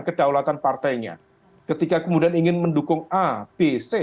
ketika kemudian ingin mendukung a b c